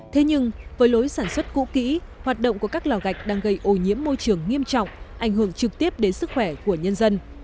thế nhưng với lối sản xuất cũ kỹ hoạt động của các lò gạch đang gây ô nhiễm môi trường nghiêm trọng ảnh hưởng trực tiếp đến sức khỏe của nhân dân